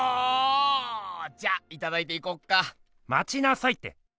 じゃいただいていこっか。まちなさいって！